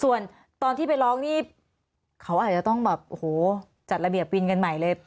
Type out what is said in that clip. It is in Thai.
ส่วนตอนที่ไปร้องนี่เขาอาจจะต้องแบบโอ้โหจัดระเบียบวินกันใหม่เลย